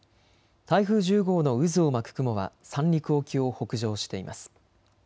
台風１０号の渦を巻く雲は三陸沖を北上しています。